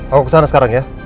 aku kesana sekarang ya